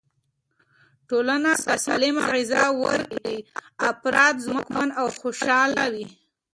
ټولنه که سالمه غذا ورکړي، افراد ځواکمن او خوشحاله وي.